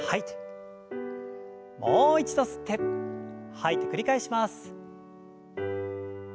もう一度吸って吐いて繰り返します。